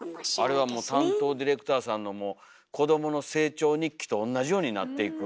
あれはもう担当ディレクターさんの子どもの成長日記と同じようになっていく。